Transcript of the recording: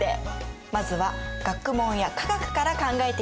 まずは学問や科学から考えていきましょう。